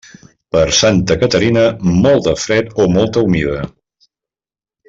Per Santa Caterina, molt de fred o molta humida.